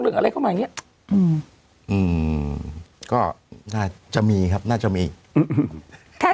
เรื่องอะไรเขาหมายอย่างเงี้ยอืมก็น่าจะมีครับน่าจะมีถ้า